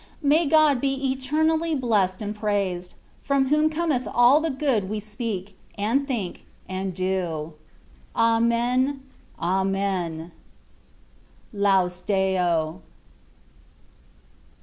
May God be eternally blessed and praised^ from whom cometh all the good we speak^ and think^ and do. Amen^ Amen. LAUS DEO.